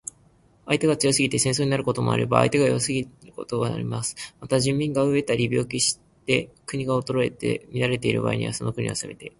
相手が強すぎて戦争になることもあれば、相手が弱すぎてなることもあります。また、人民が餓えたり病気して国が衰えて乱れている場合には、その国を攻めて